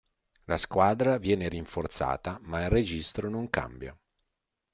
La squadra viene rinforzata, ma il registro non cambia.